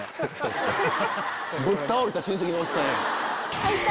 ぶっ倒れた親戚のおっさんやん。